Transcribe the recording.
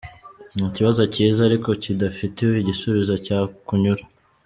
Ni ikibazo cyiza, ariko kidafitiwe igisubizo cyakunyura.